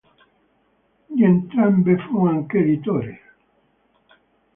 Di entrambe fu anche editore.